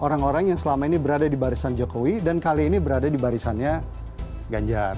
orang orang yang selama ini berada di barisan jokowi dan kali ini berada di barisannya ganjar